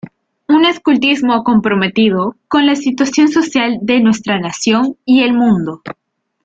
Un escultismo comprometido con la situación social de nuestra nación y el mundo.